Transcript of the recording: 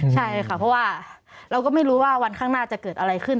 ใช่ค่ะเพราะว่าเราก็ไม่รู้ว่าวันข้างหน้าจะเกิดอะไรขึ้น